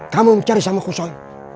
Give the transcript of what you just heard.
kamu cari sama kusoy